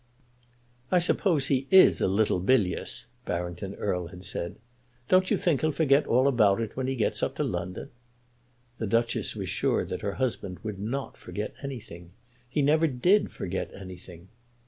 "I suppose he is a little bilious," Barrington Erle had said. "Don't you think he'll forget all about it when he gets up to London?" The Duchess was sure that her husband would not forget anything. He never did forget anything.